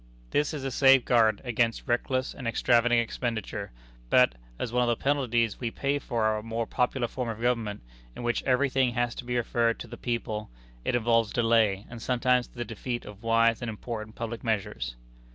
This is a safeguard against reckless and extravagant expenditure, but, as one of the penalties we pay for our more popular form of government, in which every thing has to be referred to the people, it involves delay, and sometimes the defeat of wise and important public measures.